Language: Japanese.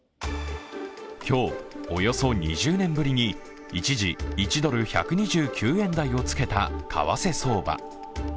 今日、およそ２０年ぶりに一時、１ドル＝１２９円台をつけた為替相場。